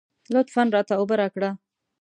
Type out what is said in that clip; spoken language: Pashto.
لطفاً راته اوبه راکړه.